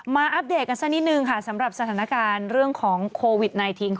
อัปเดตกันสักนิดนึงค่ะสำหรับสถานการณ์เรื่องของโควิด๑๙